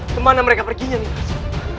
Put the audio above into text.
kemana mereka perginya nimas